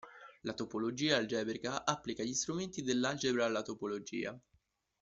La topologia algebrica applica gli strumenti dell'algebra alla topologia.